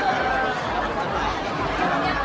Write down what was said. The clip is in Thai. การรับความรักมันเป็นอย่างไร